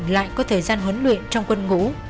lại có thời gian huấn luyện trong quân ngũ